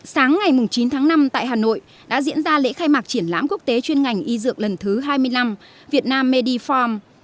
sáng ngày chín tháng năm tại hà nội đã diễn ra lễ khai mạc triển lãm quốc tế chuyên ngành y dược lần thứ hai mươi năm việt nam medifarm